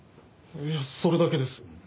いやそれだけです。